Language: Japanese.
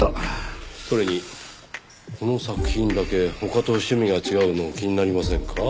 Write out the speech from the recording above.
それにこの作品だけ他と趣味が違うのも気になりませんか？